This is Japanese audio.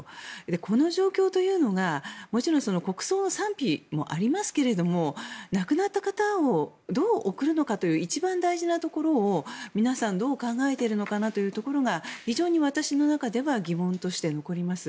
この状況というのがもちろん国葬の賛否もありますが亡くなった方をどう送るのかという一番大事なところを皆さん、どう考えているのかなというところが非常に私の中では疑問として残ります。